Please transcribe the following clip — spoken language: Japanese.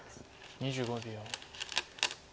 ２５秒。